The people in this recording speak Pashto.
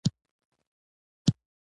بل ډول خوند دی.